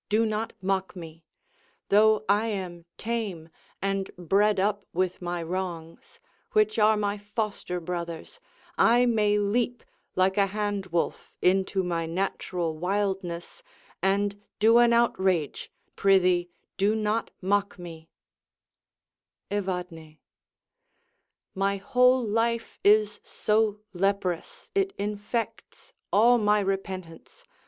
Do not mock me: Though I am tame, and bred up with my wrongs, Which are my foster brothers, I may leap, Like a hand wolf, into my natural wildness, And do an outrage: prithee, do not mock me, Evadne My whole life is so leprous, it infects All my repentance.